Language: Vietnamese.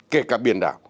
kể cả biển đảo